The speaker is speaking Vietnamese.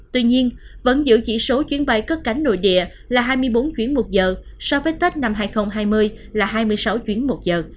tuy nhiên vẫn giữ chỉ số chuyến bay cất cánh nội địa là hai mươi bốn chuyến một giờ so với tết năm hai nghìn hai mươi là hai mươi sáu chuyến một giờ